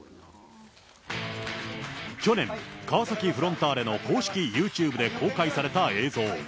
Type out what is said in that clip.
去年、川崎フロンターレの公式ユーチューブで公開された映像。